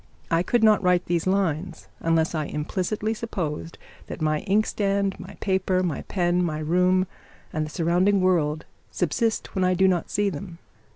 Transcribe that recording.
I could not write these lines unless I implicitly supposed that my inkstand, my paper, my pen, my room, and the surrounding world subsist when I do not see them.